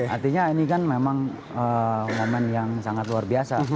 artinya ini kan memang momen yang sangat luar biasa